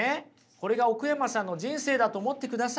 これが奥山さんの人生だと思ってください。